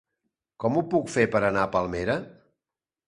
Com ho puc fer per anar a Palmera?